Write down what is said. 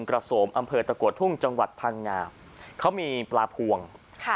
โสมอำเภอตะกัวทุ่งจังหวัดพังงาเขามีปลาพวงค่ะ